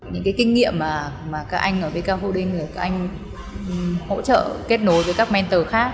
những kinh nghiệm mà các anh ở bk hậu đinh các anh hỗ trợ kết nối với các mentor khác